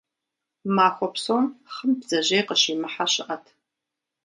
Махуэ псом хъым бдзэжьей къыщимыхьэ щыӏэт.